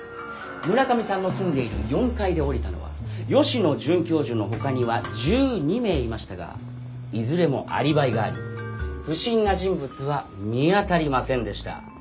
村上さんの住んでいる４階で降りたのは吉野准教授のほかには１２名いましたがいずれもアリバイがあり不審な人物は見当たりませんでした。